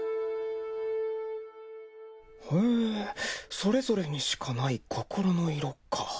へぇそれぞれにしかない心の色か。